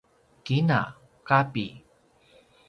kina: kapi